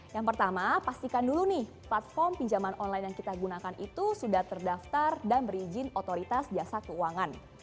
yang pertama pastikan dulu nih platform pinjaman online yang kita gunakan itu sudah terdaftar dan berizin otoritas jasa keuangan